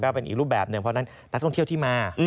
เป็นอีกรูปแบบหนึ่งเพราะฉะนั้นนักท่องเที่ยวที่มา